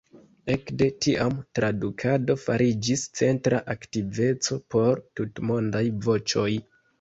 Ekde tiam tradukado fariĝis centra aktiveco por Tutmondaj Voĉoj.